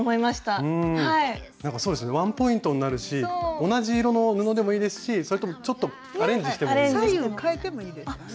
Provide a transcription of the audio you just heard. そうですねワンポイントになるし同じ色の布でもいいですしちょっとアレンジしてもいいですね。